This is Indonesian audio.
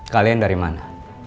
kalian dari mana